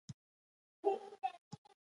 جګړه هر څه له منځه وړي